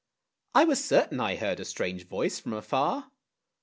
I was certain I heard a strange voice from afar.